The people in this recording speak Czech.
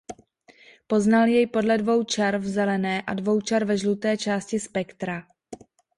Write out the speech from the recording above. Poznal jej podle dvou čar v zelené a dvou čar ve žluté části spektra.